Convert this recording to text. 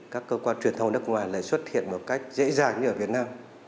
các cơ quan truyền thông nước ngoài lại xuất hiện một cách dễ dàng như ở việt nam